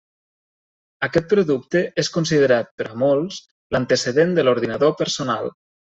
Aquest producte és considerat -per a molts- l'antecedent de l'ordinador personal.